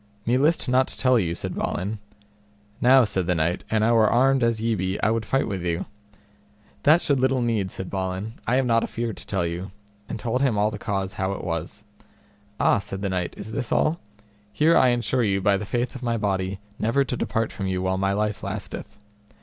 Me list not to tell you, said Balin. Now, said the knight, an I were armed as ye be I would fight with you. That should little need, said Balin, I am not afeard to tell you, and told him all the cause how it was. Ah, said the knight, is this all? here I ensure you by the faith of my body never to depart from you while my life lasteth.